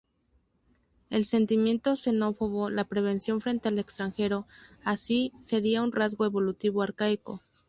El sentimiento xenófobo, la prevención frente al extranjero, así, sería un rasgo evolutivo arcaico.